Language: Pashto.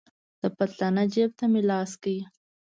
د پتلانه جيب ته مې لاس کړ.